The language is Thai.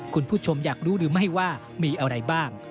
คุณผู้ชมอยากรู้หรือไม่ว่ามีอะไรบ้าง